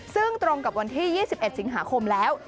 ซึ่งตรงกับวันที่๒๑สิงหาคมแล้ว